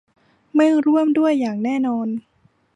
ไม่ร่วมด้วยอย่างแน่นอน